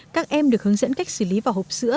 các em được hướng dẫn cách xử lý vỏ hộp sữa